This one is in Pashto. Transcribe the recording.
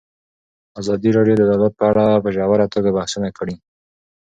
ازادي راډیو د عدالت په اړه په ژوره توګه بحثونه کړي.